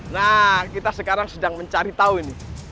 nah kita sekarang sedang mencari tahu ini